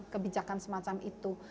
kebijakan semacam itu